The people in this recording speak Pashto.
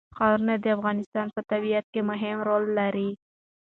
ښارونه د افغانستان په طبیعت کې مهم رول لري.